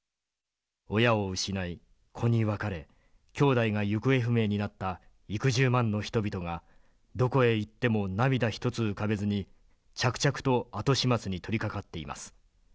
親を失い子に別れ兄弟が行方不明になった幾十万の人々がどこへ行っても涙一つ浮かべずに着々と後始末に取りかかっています。